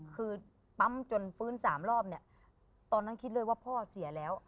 คือปั๊มจนฟื้นสามรอบเนี่ยตอนนั้นคิดเลยว่าพ่อเสียแล้ว